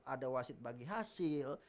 ada wasit bagi hasil